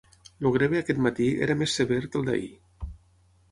El grebe aquest matí era més sever que el d"ahir.